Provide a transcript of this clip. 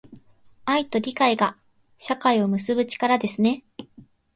愛と理解が、社会を結ぶ力ですね。